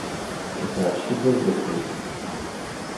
Es herrschte Bürgerkrieg.